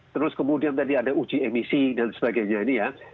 terus kemudian tadi ada uji emisi dan sebagainya ini ya